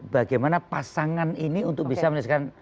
bagaimana pasangan ini untuk bisa menyelesaikan